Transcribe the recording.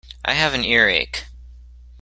I have an earache